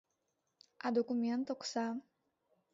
А документ, окса?